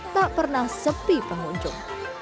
tak pernah sepi pengunjung